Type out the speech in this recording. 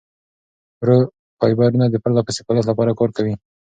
ورو فایبرونه د پرلهپسې فعالیت لپاره کار کوي.